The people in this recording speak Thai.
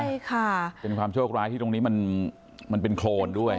ใช่ค่ะเป็นความโชคร้ายที่ตรงนี้มันเป็นโครนด้วย